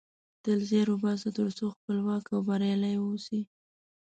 تل زیار وباسه ترڅو خپلواک او بریالۍ اوسی